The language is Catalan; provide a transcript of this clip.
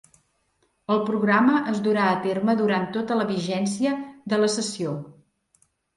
El programa es durà a terme durant tota la vigència de la cessió.